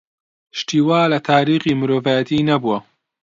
شتی وا لە تاریخی مرۆڤایەتی نەبووە.